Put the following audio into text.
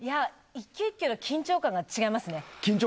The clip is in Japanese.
１球１球の緊張感が違いますね。